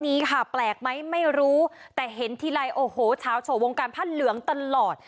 นี้ค่ะแปลกไหมไม่รู้แต่เห็นทีไรโอ้โหชาวโฉวงการผ้าเหลืองตลอด